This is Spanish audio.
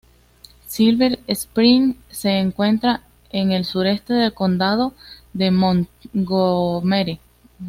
Silver Spring se encuentra en el sureste del condado de Montgomery.